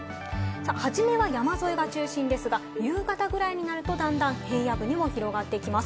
はじめは山沿いが中心ですが、夕方くらいになるとだんだん平野部にも広がってきます。